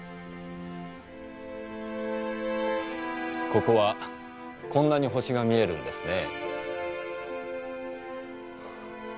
ここはこんなに星が見えるんですね。